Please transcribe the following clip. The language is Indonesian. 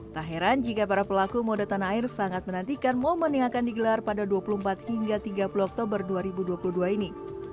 tak heran jika para pelaku mode tanah air sangat menantikan momen yang akan digelar pada dua puluh empat hingga tiga puluh oktober dua ribu dua puluh dua ini